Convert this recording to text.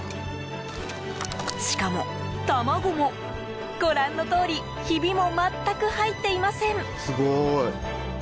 しかも卵も、ご覧のとおりひびも全く入っていません。